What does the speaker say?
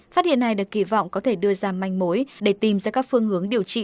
phát hiện này được kỳ vọng có thể đưa ra manh mối để tìm ra các phương hướng điều trị